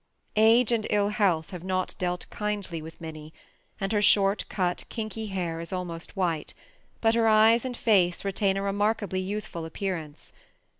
Age and ill health have not dealt kindly with Minnie, and her short cut, kinky hair is almost white, but her eyes and face retain a remarkably youthful appearance.